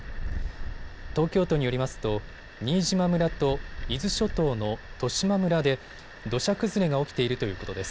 東京都によりますと、新島村と伊豆諸島の利島村で土砂崩れが起きているということです。